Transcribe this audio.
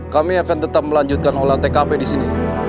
kami akan tetap melanjutkan olah tkp disini